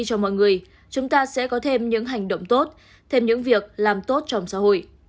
cho mọi người chúng ta sẽ có thêm những hành động tốt thêm những việc làm tốt trong xã hội